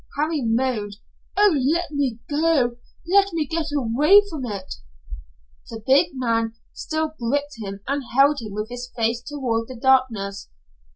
Harry moaned. "Oh, let me go. Let me get away from it." The big man still gripped him and held him with his face toward the darkness.